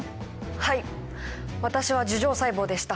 はい私は樹状細胞でした。